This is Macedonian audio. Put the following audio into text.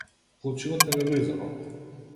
Вклучи го телевизорот.